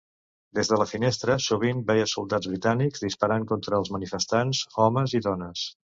Des de la finestra, sovint veia soldats britànics disparant contra els manifestants, homes i dones.